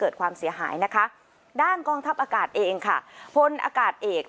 ด้านกองทัพอากาศพนธ์อากาศเอก